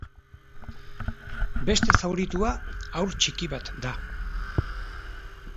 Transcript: Beste zauritua haur txiki bat da.